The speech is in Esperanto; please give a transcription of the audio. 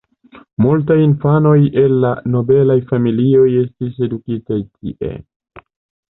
Multaj infanoj el nobelaj familioj estis edukitaj tie.